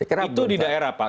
itu di daerah pak